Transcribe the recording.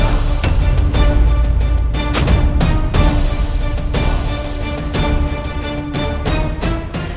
aku akan menuntutmu